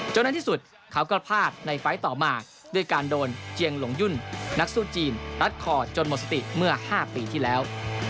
ในที่สุดเขาก็พลาดในไฟล์ต่อมาด้วยการโดนเจียงหลงยุ่นนักสู้จีนรัดคอจนหมดสติเมื่อ๕ปีที่แล้ว